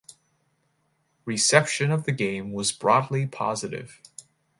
Reception of the game was broadly positive.